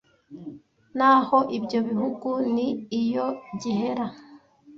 Naho ibyo bihugu ni iyo gihera,